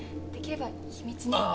できれば秘密に。